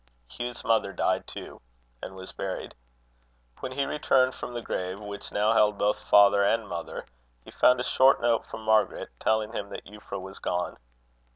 Hugh's mother died too, and was buried. When he returned from the grave which now held both father and mother, he found a short note from Margaret, telling him that Euphra was gone.